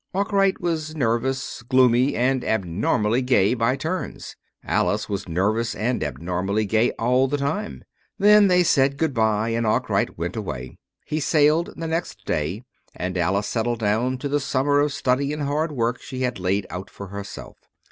Arkwright was nervous, gloomy, and abnormally gay by turns. Alice was nervous and abnormally gay all the time. Then they said good by and Arkwright went away. He sailed the next day, and Alice settled down to the summer of study and hard work she had laid out for herself.